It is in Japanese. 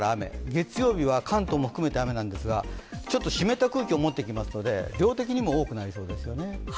月曜日は関東も含めて雨なんですが湿った空気を持ってきますので、量的にも多くなりそうですよね。